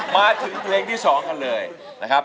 มาถึงเพลงที่๒กันเลยนะครับ